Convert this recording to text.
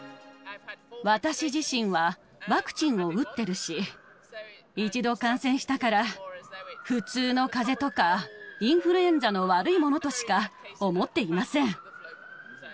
私自身は、ワクチンを打ってるし、一度感染したから、普通のかぜとか、インフルエンザの悪いものとしか思っていません。